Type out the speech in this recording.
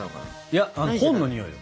いや本のにおいよ！